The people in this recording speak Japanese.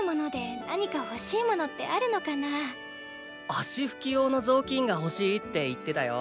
足ふき用のぞうきんが欲しいって言ってたよ。